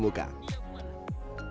bagaimana cara kita menemukan